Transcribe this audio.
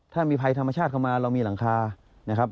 ถ้ามีภัยธรรมชาติเข้ามาเรามีหลังคานะครับ